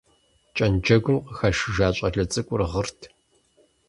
Кӏэнджэгум къыхашыжа щӏалэ цӏыкӏур гъырт.